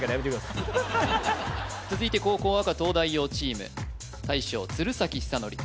続いて後攻赤東大王チーム大将鶴崎修功